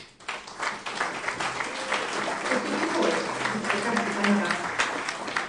Os wyt ti'n oer gwisga gardigan arall.